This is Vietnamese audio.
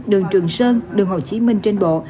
đường trường sơn đường hồ chí minh trên bộ